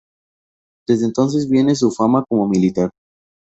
De entonces viene su fama como militar.